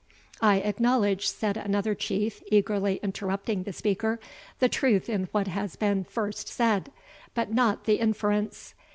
"I acknowledge," said another Chief, eagerly interrupting the speaker, "the truth in what has been first said, but not the inference.